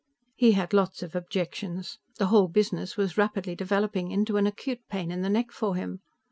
He had lots of objections. The whole business was rapidly developing into an acute pain in the neck for him.